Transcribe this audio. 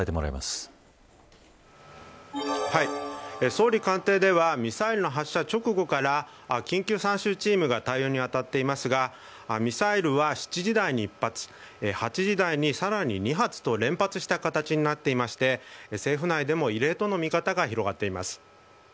総理官邸ではミサイル発射直後から緊急参集チームが対応に当たっていますがミサイルは、７時台に１発８時台に、さらに２発と連発した形になっていて政府内でも異例との見方が広がっています。